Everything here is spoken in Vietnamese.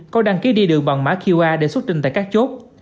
có đăng ký đi đường bằng mã qr để xuất trình tại các chốt